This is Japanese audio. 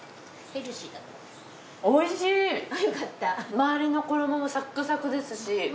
まわりの衣もサックサクですし。